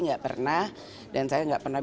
nggak pernah dan saya nggak pernah